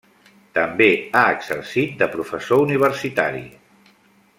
També ha exercit de professor universitari.